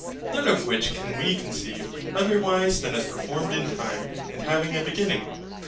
None of which can WE conceive, otherwise than as performed in time, and having a beginning.